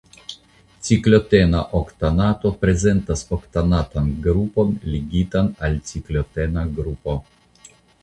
Ciklotena oktanato prezentas oktanatan grupon ligitan al ciklotena grupo.